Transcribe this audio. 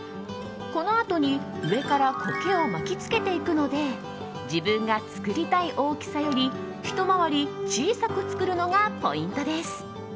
このあとに上から苔を巻き付けていくので自分が作りたい大きさよりひと回り小さく作るのがポイントです。